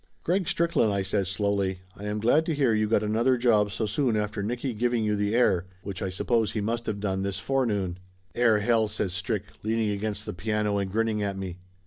"Greg Strickland," I says slowly, "I am glad to hear you got another job so soon after Nicky giving you the air, which I suppose he must of done this forenoon." "Air, hell !" says Strick, leaning against the piano and grinning at me.